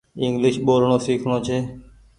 انگليش ٻولڻو سيکڻو ڇي۔